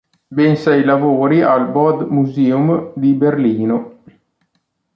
Ben sei lavori al Bode-Museum di Berlino.